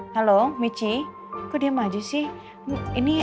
halo meeci kok diem aja sih ini angga